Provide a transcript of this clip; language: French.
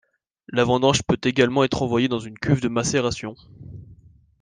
La vendange peut également être envoyée dans une cuve de macération.